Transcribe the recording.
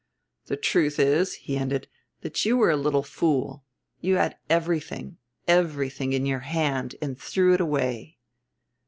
"The truth is," he ended, "that you were a little fool; you had everything, everything, in your hand and threw it away."